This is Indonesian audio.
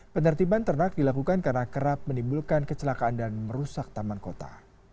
penertiban ternak dilakukan karena kerap menimbulkan kecelakaan dan merusak taman kota